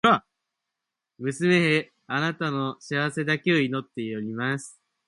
娘へ、貴女の幸せだけを祈っています。